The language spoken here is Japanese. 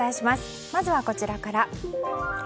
まずは、こちらから。